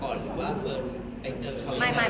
ก่อนที่ว่าเฟิร์นได้เจอเขายังไง